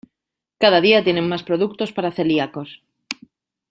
Cada día tienen más productos para celíacos.